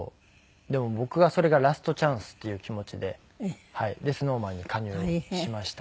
でも僕はそれがラストチャンスっていう気持ちで。でＳｎｏｗＭａｎに加入しました。